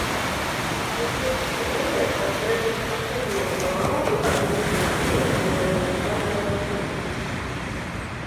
Хаця ёсць ідэя каб зрабіць асобную узнагароду ад нейкай фірмы для дакументальнага фільму.